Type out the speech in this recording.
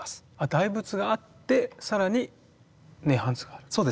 大仏があって更に「涅槃図」がある。